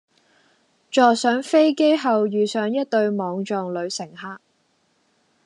坐上飛機後遇上一對莽撞女乘客